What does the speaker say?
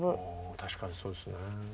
確かにそうですね。